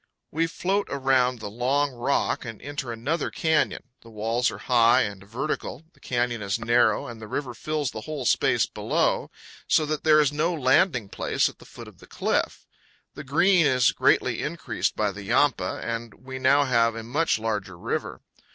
We float around the long rock and enter another canyon. The walls are high and vertical, the canyon is narrow, and the river FROM ECHO PARK TO THE MOUTH OF UINTA RIVER. 173 fills the whole space below, so that there is no landing place at the foot of the cliff. The Green is greatly increased by the Yampa, and we now have a much larger river.